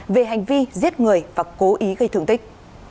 về hành vi giết người và cố ý gây thương tích